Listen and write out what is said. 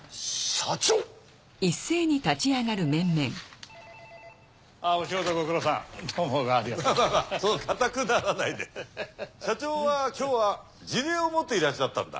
社長は今日は辞令を持っていらっしゃったんだ。